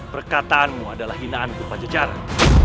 perkataanmu adalah hinaanku pajajaran